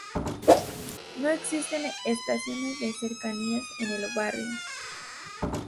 No existen estaciones de Cercanías en el barrio.